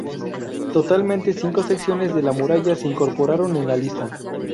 Totalmente cinco secciones de la muralla se incorporaron en la lista.